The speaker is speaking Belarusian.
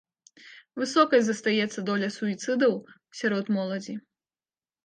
Высокай застаецца доля суіцыдаў сярод моладзі.